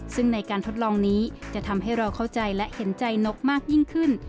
ซึ่งในการทดลองนี้จะทำให้เราเข้าใจและเห็นใจนกมากยิ่งขึ้น